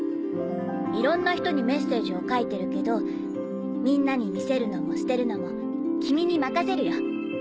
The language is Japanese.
いろんな人にメッセージを書いてるけどみんなに見せるのも捨てるのも君に任せるよ。